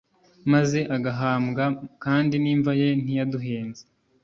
maze agahambwa kandi n’imva ye ntiyaduhenze